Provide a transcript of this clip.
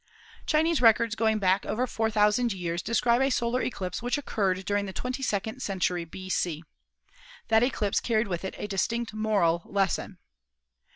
Chinese records going back over 4,000 years describe a solar eclipse which occurred during the twenty second cen tury b.c. That eclipse carried with it a distinct moral lesson.